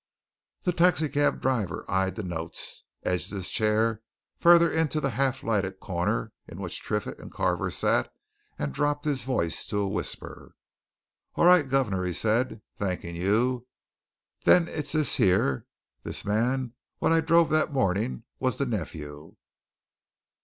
The taxi cab driver eyed the notes, edged his chair further into the half lighted corner in which Triffitt and Carver sat, and dropped his voice to a whisper. "All right, guv'nor," he said. "Thanking you. Then it's this here the man what I drove that morning was the nephew!"